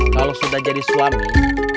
kalau sudah jadi suami